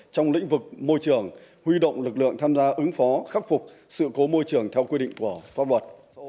trong lĩnh vực môi trường huy động lực lượng tham gia ứng phó khắc phục sự cố môi trường theo quy định của pháp luật